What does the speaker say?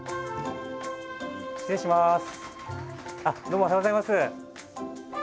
どうもおはようございます。